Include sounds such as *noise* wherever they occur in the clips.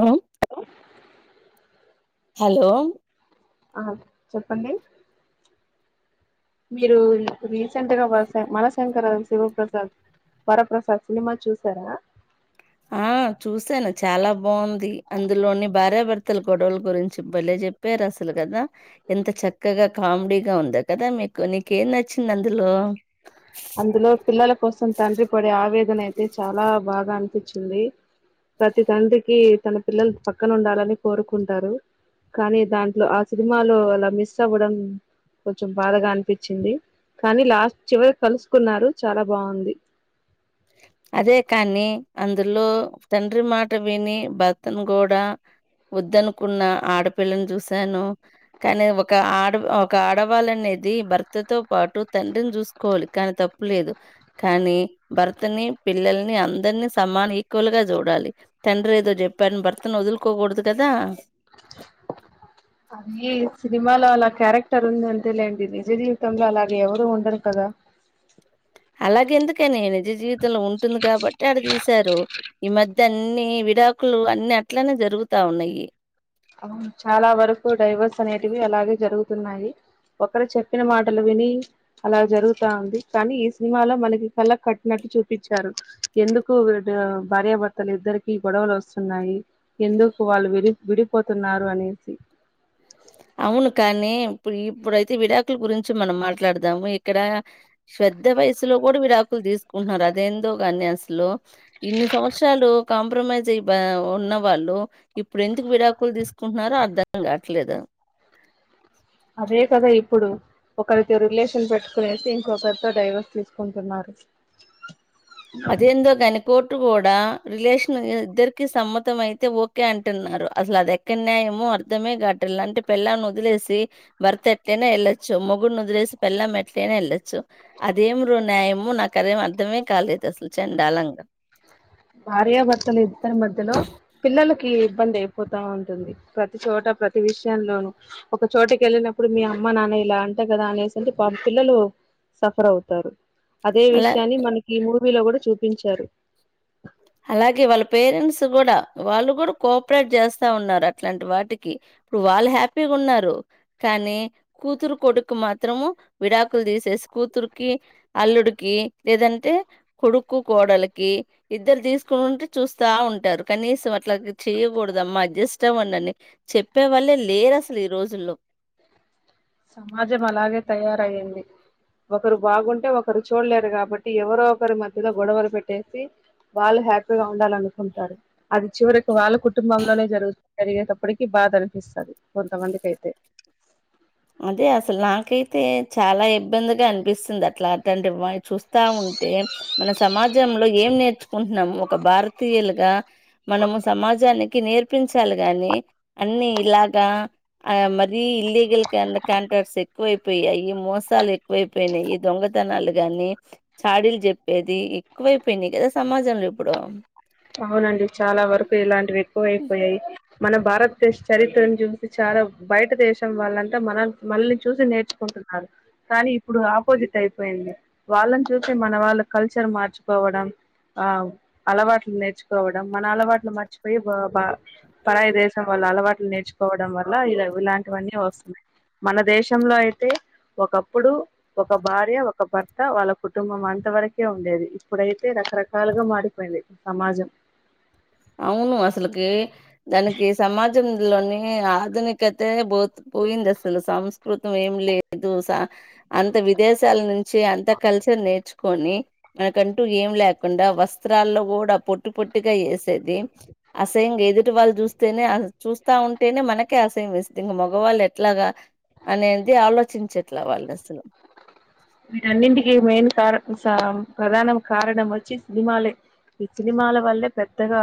Hello hello ఆ చెప్పండి మీరు రీసెంట్ గా వర మనశంకర శివప్రసాద్ వరప్రసాద్ సినిమా చూసారా ఆ చూశాను చాలా బాగుంది అందులోని భార్యాభర్తల గొడవల గురించి భలే చెప్పారు అసలు కదా ఎంత చక్కగా కామెడీగా ఉందో కదా మీకు నీకేం నచ్చింది అందులో అందులో పిల్లల కోసం తండ్రి పడే ఆవేదన అయి తే చాలా బాగా అనిపించింది ప్రతి తండ్రికి తన పిల్లలు పక్కన ఉండాలని కోరుకుంటారు కానీ దాంట్లో ఆ సినిమాలో అలా మిస్ అవ్వడం కొంచెం బాధగా అనిపించింది కానీ లాస్ట్ చివరి కలుసుకున్నారు చాలా బాగుంది అదే కానీ అందులో తండ్రి మాట విని భర్తను కూడా వద్దనుకున్న ఆడపిల్లని చూసాను కానీ ఒక ఆడ ఒక ఆడవాళ్ళ అనేది భర్తతో పాటు తండ్రిని చూసుకోవాలి కానీ తప్పు లేదు కానీ భర్తని పిల్లల్ని అందరినీ సమాన ఈక్వల్గా చూడాలి తండ్రి ఏదో చెప్పారని భర్తను వదులుకోకూడదు కదా అది సినిమాలో అలా క్యారెక్టర్ ఉంది అంతేలేండి నిజ జీవితంలో అలాగ ఎవరూ ఉండరు కదా అలాగఎందుకని నిజ జీవి తం లో ఉంటుంది కాబట్టి ఆడ తీశారు ఈ మధ్య అన్ని విడాకులు అన్ని అట్లనే జరుగుతా ఉన్నాయి చాలా వరకు డైవర్స్ అనేటివి అలాగే జరుగుతున్నాయి ఒకరు చెప్పిన మాటలు విని అలాగ జరుగుతా ఉంది కానీ ఈ సినిమాలో మనకి కళ్ళకి కట్టినట్టు చూపించారు ఎందుకు భార్యాభర్తలు ఇద్దరికి గొడవలు వస్తున్నాయి ఎందుకు వాళ్ళు విడి విడి పోతున్నారు అనేసి అవును. కానీ ఇప్పుడు ఇప్పుడయితే విడాకుల గురించి మనం మాట్లాడదాము ఇక్కడ శ్రద్ధ వయసులో కూడా విడాకులు తీసుకుంటున్నారు అదేందో గాని అసలు ఇన్ని సంవత్సరాలు కాంప్రమైజ్ అయి ఉన్న వాళ్ళు ఇప్పుడు ఎందుకు విడాకులు తీసుకుంటున్నారో అర్థం కావట్లేదు అదే కదా ఇప్పుడు ఒకరితో రిలేషన్ పెట్టుకునేసి ఇంకొకరితో డైవర్స్ తీసుకుంటున్నారు అదే అందో కనక ఇటు కూడా రిలేషన్ ఇద్దరికి సమ్మతం అయితే ఓకే అంటున్నారు అసలు అది ఎక్కడ న్యాయముో అర్థమే ట్టాల అంటే పెళ్ల్లాని వదిలేసి భర్త ఎట్లయినా వెళ్ళొచ్చు మొగుడిని వదిలేసి పెళ్లం ఎట్లైనా వెళ్ళొచ్చు అదే రో న్యాయమో నాకు అదేం అర్థమే కాలేదు సలు చెండాలంగా భార్యాభర్తలు ఇద్దరి మధ్యలో పిల్లలకి ఇబ్బంది అయిపోతా ఉంటుంది ప్రతి చోట ప్రతి విషయంలోనూ ఒక చోటకి వెళ్ళినప్పుడు మీ అమ్మ నాన్న ఇలా అంటా కదా అనేసింటే పిల్లలు సఫర్ అవుతారు అదే అలా విషయాన్ని మనకి మూడు మీలో కూడా చూపించారు అలాగే వాళ్ళ పేరెంట్స్ కూడా వాళ్ళు కూడా కోఆపరేట్ చేస్తా ఉన్నారు అట్లాంటి వాటికి ఇప్పుడు వాళ్ళు హ్యాపీగా ఉన్నారు కానీ కూతురు కొడుకు మాత్రము విడాకులు తీసి శస్ కూతురుకి అల్లుడుకి లేదంటే కొడుకు కోడలకి ఇద్దరు తీసుకునింటే చూస్తా ఉంటారు కనీసం అట్లా చేయకూడద అమ్మా అడ్జస్ట్ అవ్వండి అని చెప్పే వాళ్ళే లేరు అసలు ఈ రోజుల్లో సమాజం అలాగే తయారయ్యింది ఒకరు బాగుంటే ఒకరు చూడలేరు కాబట్టి ఎవరో ఒకరి మధ్యలో గొడవలు పెట్టేసి వాళ్ళు హ్యాపీగా ఉండాలనుకుంటారు అది చివరికి వాళ్ళ కుటుంబంలోనేరుగు జరిగేటప్పటికి బాధ అనిపిస్తుంది కొంతమందికి అయితే అదే అసలు నాకైతే చాలా ఇబ్బందిగా అనిపిస్తుంది అట్లా అంటి చూస్తా ఉంటే మన సమాజంలో ఏం నేర్చుకుంటున్నాము ఒక భారతీయులుగా మనము సమాజానికి నేర్ చప్పించాలి గాని అన్ని ఇలాగా ఆ మరీ ఇల్లీగల్ క్యాంటర్స్ ఎక్కువైపోయాయి ఈ మోసాలు ఎక్కువైపోయినాయి ఈ దొంగతన గాని చాడీలు చెప్పేది ఎక్కువైపోయినాయి కదా సమాజంలో ఇప్పుడు పోయి పోయి మన భారతదేశ చరిత్రను చూసి చాలా బయట దేశం వాళ్ళంతా మన మనల్ని చూసి నేర్చుకుంటున్నారు కానీ ఇప్పుడు ఆపోజిట్ అయిపోయింది వాళ్ళని చూసి మన వాళ్ళ కల్చర్ మార్చుకోవడం ఆ అలవాట్ నేర్చుకోవడం మన అలవాట్లు మర్చిపోయి పరాయ దేశం వాళ్ల అలవాట్లు నేర్చుకోవడం వల్ల ఇలా ఇలాంటివన్నీ వస్తున్నాయి మన దేశంలో అయితే ఒకప్పుడు ఒక భార్య ఒక భర్త వాళ్ళ కుటుంబం అంత వరకే ఉండేది ఇప్పుడైతే రకరకాలుగా మారిపోయిది సమాజం అవును అసలుకి దానికి సమాజం లోని ఆధునికతే పో పోయింది అసలు సంస్కృతం ఏం లేదు అంత విదేశాల నుంచి అంత కల్చర్ నేర్చుకొని మనకంటూ ఏం లేక కాకుండా వస్త్రాల్లో కూడా పొట్టు పొట్టుగా ది అసంగా ఎదుటి వాళ్ళు చూస్తేనే చూస్తా ఉంటేనే మనకే ఇంక మగవాళ్ళు ఎట్లాగా అనేది ఆలోచించేట్ల వాళ్ళు అసలు వీటన్నింటికి మెయిన్ కార ప్రధాన కారణం వచ్చి సినిమాలే ఈ సినిమాల వల్లే పెద్దగా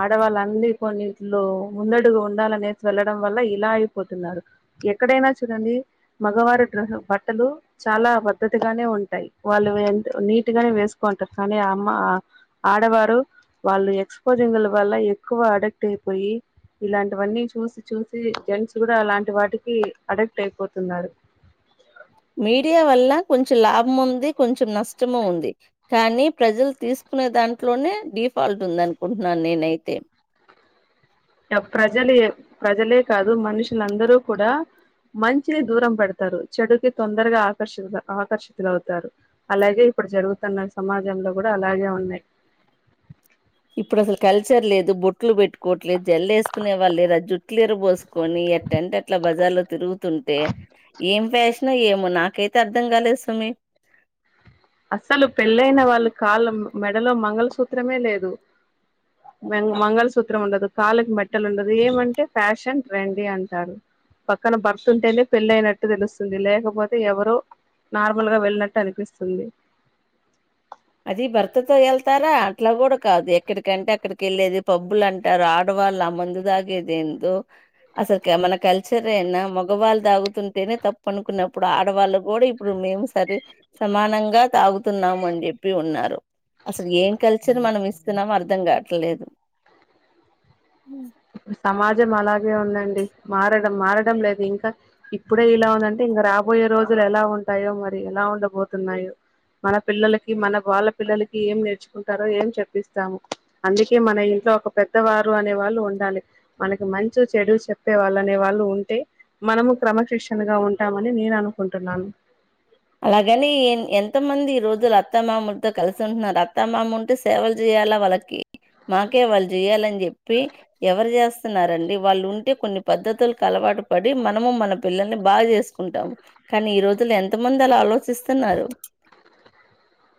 ఆడవాళ్ళు అన్ని కొన్నిటిలో ముందడుగు ఉండాలనేసి వెళ్లడం వల్ల ఇలా అయిపోతున్నారు ఎక్కడైనా చూడండి మగవారి బట్టలు చాలా పద్ద్దతిగానే ఉంటాయి వాళ్ళు నీట్ గానే వేసుకోంటారు కానీ ఆ అమ్మ ఆ ఆడవారు వాళ్ళు ఎక్స్పోజింగ్ల వల్ల ఎక్కువ అడక్ట్ అయిపోయి ఇలాంటివన్నీ చూసి చూసి జెంట్స్ కూడా అలాంటి వాటికి అడక్ట్ అయిపోతున్నారు మీడియా వల్ల కొంచెం లాభం ఉంది కొంచెం నష్టము ఉంది కానీ ప్రజలు తీసుకునే దాంట్లోనే డిఫాల్ట్ ఉందనుకుంటున్నాను నేనైతే ప్రజలు ప్రజలే కాదు మనుషులందరూ కూడా మంచిని దూరం పెడతారు చెడుకి తొందరగా ఆకర్షితు ఆకర్షితులవుతారు అలాగే ఇప్పుడు జరుగుతున్న సమాజంలో కూడా అలాగే ఉన్నాయి ఇప్పుడు అసలు కల్చర్ లేదు బొట్లు పెట్టుకోవట్లేదు జల్లు వేసుకునే వాళ్ళు రా జుట్లు ఎర్రబోసుకొని అట్టెంట్ ఎట్లా బజార్లో తిరుగుతుంటే ఏం ఫ్యాషనో ఏమో నాకైతే అర్థం కాలేదు సమి అస్సలు పెళ్ళయిన వాళ్ళు కాళ్ళ మెడలో మంగళసూత్రమే లేదు మ మంగళసూత్రం ఉండదు కాళ్ళకి మెట్టలు ఉండదు ఏమంటే ఫ్యాషన్ అని అంటారు పక్కన భర్త్ ఉంటేనే పెళ్ళయినట్టు తెలుస్తుంది లేకపోతే ఎవరో నార్మల్ గా వెళ్ళినట్టు అనిపిస్తుంది అది భర్తతో వెళ్తారా అట్లా కూడా కాదు ఎక్కడికంటే అక్కడికి వెళ్ళేది పబ్బులు అంటారు ఆడవాళ్ళు ఆ మందు తాగేది ఏందో అసలు మన కల్చర్ ఏనా మగవాళ్ళు తాగుతుంటేనే తప్ప అనుకున్నప్పుడు ఆడవాళ్ళ కూడా ఇప్పుడు మేము సరే సమానంగా తాగు నమండి ప్పి ఉన్నారు అసలు ఏం కల్చర్ మనం ఇస్తున్నామో అర్థం కావట్లేదు సమాజం అలాగే ఉందండి మారడం మారడం లేదు ఇంకా ఇప్పుడే ఇలా ఉందంటే ఇంకా రాబోయే రోజులు ఎలా ఉంటాయో మరి ఎలా ఉండబోతున్నాయో మన పిల్లలకి మన వాళ్ళ పిల్లలకి ఏం నేర్చుకుంటారో ఏం చెప్పిస్తాము అందుకే మన ఇంట్లో ఒక పెద్దవారు అనే వాళ్ళు ఉ మనకి మంచు చెడు చెప్పే వాళ్ళ అనే వాళ్ళు ఉంటే మనము క్రమశిక్షణగా ఉంటామని నేను అనుకుంటున్నాను అలాగని ఎంత మంది ఈ రోజులు అత్తమామలతో కలిసి ఉంటున్నారు అత్తామామ ఉంటే సేవలు చేయాలా వాళ్ళకి మాకే వాళ్ళు చెయాలని చెప్పి ఎవరు చేస్తున్నారండి వాళ్ళు ఉంటే కొన్ని పద్ధతుల అలవాటు పడి మనము మన పిల్లల్ని బాగా చేసుకుంటాము కానీ ఈ రోజుల్లో ఎం త మందలా ఆలో చిస్తున్నారు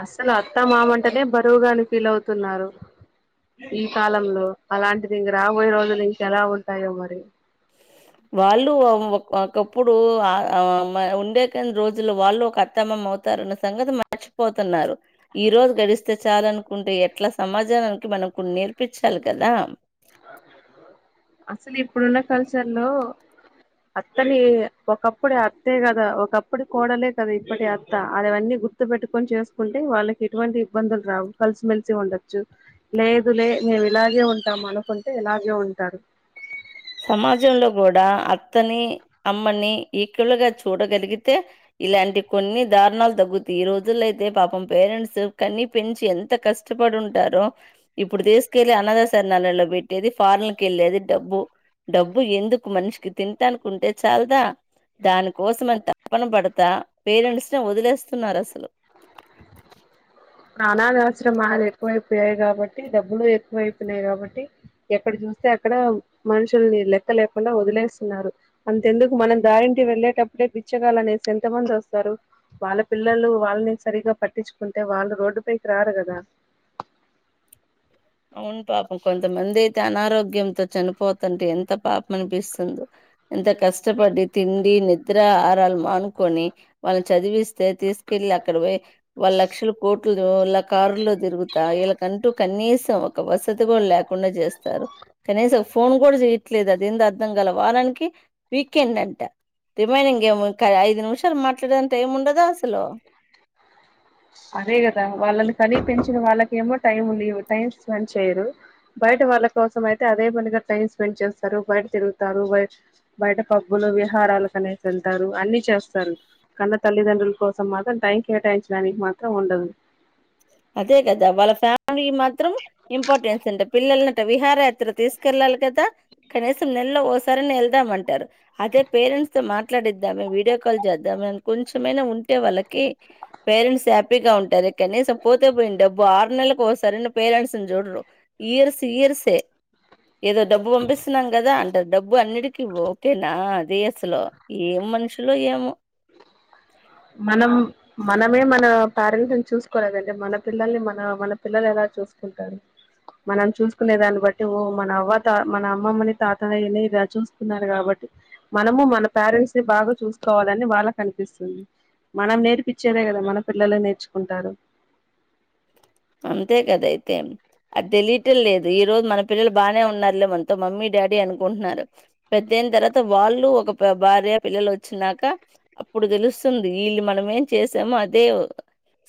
అస్సలు అత్త మామంటనే బరువుగానే ఫీల్ అవుతున్నారు ఈ కాలంలో అలాంటిది ఇంక రాబోయే రోజులు ఇంకెలా ఉంటాయో మరి వాళ్ళు ఒకప్పుడు ఆ ఉండే కన్ని రోజులు వాళ్ళు ఒక అత్తామామ అవుతారన్న సంగతి మర్చిపోతున్నారు ఈ రోజు గడిస్తే చాలనుకుంటే ఎట్లా సమాజానానికి మనం కొన్ని నేర్పించాలి కదా అసలు ఇప్పుడున్న కల్చర్ లో అత్తని ఒకప్పుటి అత్తే కదా, ఒకప్పుటి కోడలే కదా, ఇప్పటి అత్త అదివన్నీ గుర్తు వెట్టుకొని చేసుకుంటే వాళ్ళకి ఎటువంటి ఇబ్బందులు రావు కలిసిమెలిసి ఉండొచ్చు, లేదు లే మేము ఇలాగే ఉంటాం అనుకుంటే ఇలాగే ఉంటారు. సమాజంలో కూడా అత్తని అమ్మని ఈక్వల్ గా చూడగలిగితే ఇలాంటి కొన్ని దారుణాలు తగ్గుతయి, ఈ రోజుల్లో అయితే పాపం పేరెంట్స్ కనీ పెంచి ఎంత కష్టపడి ఉంటారో ఇప్పుడు తీసుకెళ్ళి అనాథాశరణాలలో పెట్టేది, ఫారన్ల కు వెళ్ళేది డబ్బు డబ్బు ఎందుకు మనిషికి తింటానుకుంటే చాలదా, దానికోసమని తపన పడతా పేరెంట్స్ ని వదిలేస్తున్నారు అసలు, నా అనాథఆశ్రమాలు ఎక్కువైపోయాయి కాబట్టి డబ్బులు ఎక్కువైపోయినాయి కాబట్టి ఎక్కడ చూస్తే అక్కడ మనుషుల్ని లెక్క లేకుండా వదిలేస్తున్నారు, అంతెందుకు మనం దారింటి వెళ్ళేటప్పుడే బిచ్చగాళ్లు అనేసి ఎంత మంది వస్తారు వాళ్ళ పిల్లలు వాళ్ళని సరిగ్గా పట్టించుకుంటే వాళ్ళు రోడ్డు పైకి రారు కదా అవును పాపం కొంతమంది అయితే అనారోగ్యంతో చనిపోతుంటే ఎంత పాపం అనిపిస్తుందో ఎంత కష్టపడి తిండి నిద్ర ఆహారాలు మానుకొని వాళ్ళని చదివిస్తే తీసుకెళ్ళి అక్కడ పోయి వాళ్ళ లక్షల కోట్లు *unintelligible* కారు లో తిరుగుతా వీళ్ళ కంటూ కనీస్ ఒక వసతి కూడా లేకుండా చేస్తారు కనీసం ఫోన్ కూడా చేయట్లేదు, అదేందొ అర్థం గాల వారానికి వీకెండ్ అంట రిమైనింగ్ ఏమో ఐదు నిమిషాలు మాట్లాడడానికి టైం ఉండదా అసలు. అదే కదా వాళ్ళని కనీ పెంచిన వాళ్ళకేమో టైం లేవు టైం స్పెండ్ చేయరు, బయట వాళ్ళ కోసం అయితే అదే పనిగా టైం స్పెండ్ చేస్తారు, బయట తిరుగుతారు బయట పబ్బులు విహారాలు కనేసి వెళ్తారు అన్ని చేస్తారు, కన్న తల్లిదండ్రుల కోసం మాత్రం టైం కేటాయించడానికి మా త్రం ఉండదు అదే కదా వాళ్ళ ఫ్యామిలీ మాత్రం ఇంపార్టెన్స్ అంట పిల్లల్నట విహార యాత్రకు తీసుకెళ్ళాలి కదా కనీసం నెల్లో ఓసా సరేలే వెళ్దామ అంటారు అదే పేరెంట్స్ తో మాట్లాడిద్దాం వీడియో కాల్ చేద్దాం కొంచెమయిన ఉన్ టె వాళ్ళకి పేరెంట్స్ హ్యాపీగా ఉంటారు కనీసం తే పోయింది డబ్బు ఆరు నెలలకు ఒకసారి అన్న పేరెంట్స్ చూడరు ఇయర్స్ ఇయర్సే ఏదో డబ్బు పంపిస్తున్నాం కదా అన్ డబ్బు అన్నిటికిీ ఓకేనా డీఎస్ లో ఏం మనుషులో ఏమో మనం మనమే మన పేరెంట్స్ చూసుకో లేదంటే మన పిల్లల్ని మన పిల్లలు ఎలా చూసుకుంటారు మనం చూసుకునే దాని బట్టి ఓ మన అవ్వ తాత మన అమ్మమ్మ తాతయ్య ని ఇలా చూస్తున్నారు కాబట్టి మనము మన పేరెంట్స్ బాగా చూసుకోవాలని వాళ్ళ కనిపిస్తుంది. మనం నేర్పిచ్చేదే కదా మన పిల్లలే నేర్చుకుంటారు. అంతే కదా అయితే అది తెలియటం లేదు ఈరోజు మన పిల్లలు బాగానే ఉన్నారులేమంతో మమ్మీ డాడీ అనుకుంటున్నారు పెద్దయిన తర్వాత వాళ్లు ఒక భార్య పిల్లలు వచ్చినాక అప్పుడు తెలుస్తుంది వీళ్లు మనమేం చేసాం అదే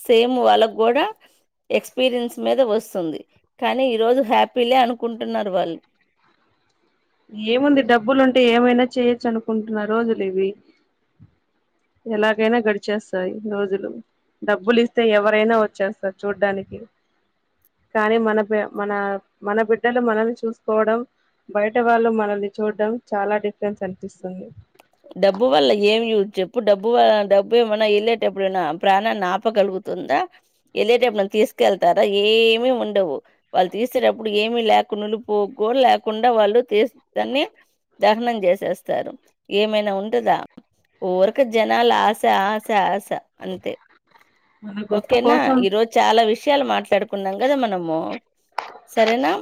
సేమ్ వాళ్లకు కూడా ఎక్స్పీరియన్స్ మీద వస్తుంది, కానీ ఈరోజు హ్యాపీ లే అనుకుంటున్నారు, వాళ్ళు ఏముంది డబ్బులు ఉంటే ఏమైనా చేయొచ్చు అనుకుంటున్నారు, రోజులు ఇవి ఎలాగైనా గడిచేస్తాయి, రోజులు డబ్బులు ఇస్తే ఎవరైన వచ్చేస్తారు చూడ్డానికి కానీ మన మన మన బిడ్డలు మనల్ని చూసుకోవడం బయ ట వాళ్ళు మనల్ని చూడడం చాలా డిఫరెన్స్ అనిపిస్తుంది. డబ్బు వల్ల ఏమి యూస్ చెప్పు డబ్బు వ డబ్బు ఏమన్నా వెళ్ళేటప్పుడు ఏమన్నా నా ప్రాణాన్ని ఆపగలుగుతుందా వెళ్ళేటప్పుడు నన్ను తీసుకెళ్తాదా ఏమి ఉండవు వాళ్ళు ఆ తీసేటప్పుడు ఏమీ లేకుండా నులుపోకో లేకుండా వాళ్ళు తీ దాన్ని దహనం చేసేస్తారు ఏమైనా ఉంటదా ఓరిక జనాలు ఆశ ఆశ ఆశ అంతే మన గొప్ప ఓకేనా కోసం ఈ రోజు చాలా విష షయాలు మాట్ టడుకున్నాం కదా మనము సరేనా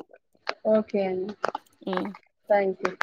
ఓకే అండి మ్మ్ థ్యాంక్ యూ